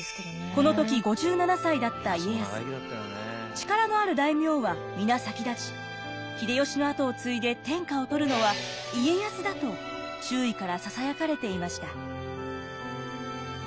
力のある大名は皆先立ち秀吉の跡を継いで天下を取るのは家康だと周囲からささやかれていました。